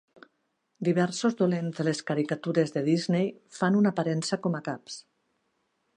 Diversos dolents de les caricatures de Disney fan una aparença com a caps.